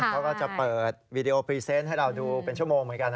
เขาก็จะเปิดวีดีโอพรีเซนต์ให้เราดูเป็นชั่วโมงเหมือนกัน